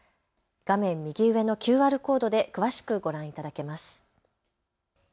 画面右上のＱＲコードで詳しくご覧いただけます。